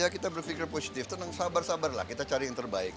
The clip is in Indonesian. kita berpikir positif tenang sabar sabarlah kita cari yang terbaik